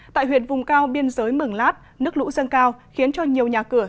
tại huyện vùng cao biên giới mường lát nước lũ dâng cao khiến cho nhiều nhà cửa